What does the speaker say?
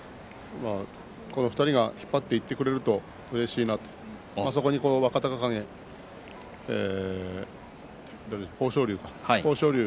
この２人が引っ張っていってくれるとうれしいなとそこに若隆景、豊昇龍。